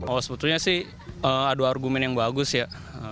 oh sebetulnya sih ada argumen yang bagus ya